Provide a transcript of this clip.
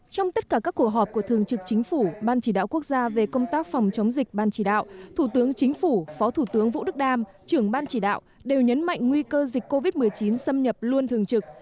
trong tất cả các cuộc họp của thường trực chính phủ ban chỉ đạo quốc gia về công tác phòng chống dịch ban chỉ đạo thủ tướng chính phủ phó thủ tướng vũ đức đam trưởng ban chỉ đạo đều nhấn mạnh nguy cơ dịch covid một mươi chín xâm nhập luôn thường trực